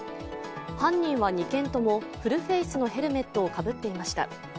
犯人は２件ともフルフェイスのヘルメットをかぶっていました。